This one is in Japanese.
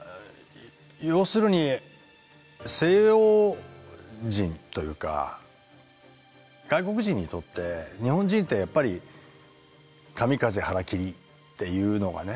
要するに西洋人というか外国人にとって日本人ってやっぱり「カミカゼ」「ハラキリ」っていうのがね